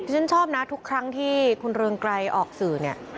ฉันชอบนะทุกครั้งที่คุณเรืองไกรออกสื่อเนี่ย